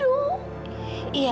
tuhan masih hidup